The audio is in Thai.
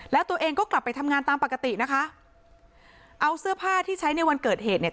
แล้วตัวเองก็กลับไปทำงานตามปกตินะคะเอาเสื้อผ้าที่ใช้ในวันเกิดเหตุเนี่ย